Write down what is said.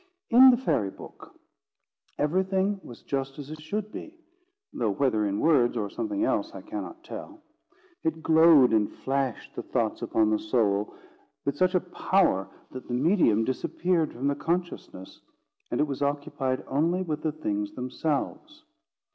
In the fairy book, everything was just as it should be, though whether in words or something else, I cannot tell. It glowed and flashed the thoughts upon the soul, with such a power that the medium disappeared from the consciousness, and it was occupied only with the things themselves.